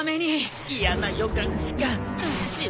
嫌な予感しかしない！